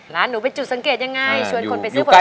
ร้านหนูเป็นจุดสังเกตยังไงชวนคนไปซื้อผลไม้